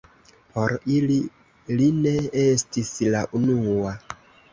Por ili, li ne estis la unua.